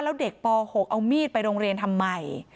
แล้วเด็กป๖เอามีดไปโรงเรียนทำไม